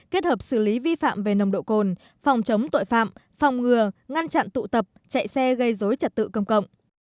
kết hợp xử lý vi phạm về nồng độ cồn phòng chống tội phạm phòng ngừa ngăn chặn tụ tập chạy xe gây dối trật tự công cộng